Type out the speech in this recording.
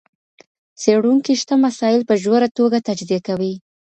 څېړونکي شته مسایل په ژوره توګه تجزیه کوي.